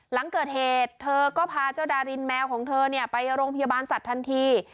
หลังเกิดเหตุเธอก็พาเจ้าดารินแมวของเธอไปโรงพยาบาลสัตว์ทันที